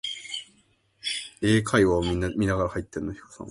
Science Reference Center.